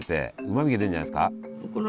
うまみが出るんじゃないですか？